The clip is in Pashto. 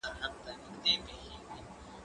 زه مخکي نان خوړلی و؟